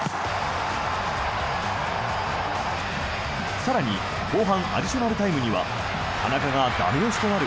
更に後半アディショナルタイムには田中が駄目押しとなる